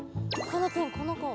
この子。